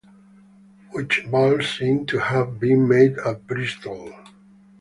Witch-balls seem to have been made at Bristol.